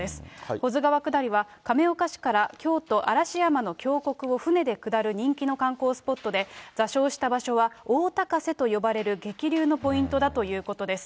保津川下りは、亀岡市から京都・嵐山の峡谷を舟で下る人気の観光スポットで、座礁した場所は大高瀬と呼ばれる激流のポイントだということです。